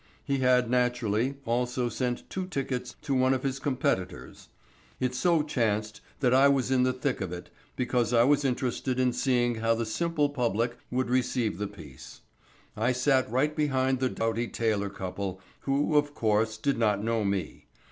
He had, naturally, also sent two tickets to one of his competitors. It so chanced that I was in the thick of it, because I was interested in seeing how the simple public would receive the piece. I sat right behind the doughty tailor couple, who, of course, did not know me.